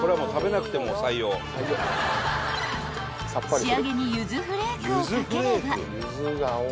［仕上げに柚子フレークを掛ければ］